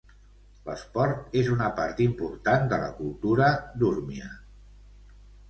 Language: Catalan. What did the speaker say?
L'esport és una part important de la cultura d'Urmia.